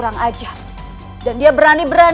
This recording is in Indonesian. dan setelah berjalan